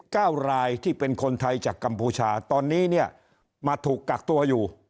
เก้ารายที่เป็นคนไทยจากกัมพูชาตอนนี้เนี่ยมาถูกกักตัวอยู่